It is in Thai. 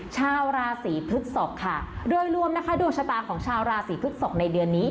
ชาวราศีพฤกษกค่ะโดยรวมนะคะดวงชะตาของชาวราศีพฤกษกในเดือนนี้